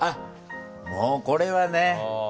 もうこれはね